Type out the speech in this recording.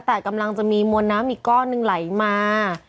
แต่กำลังจะมีมวลน้ำอีกก้อนหนึ่งไหลมา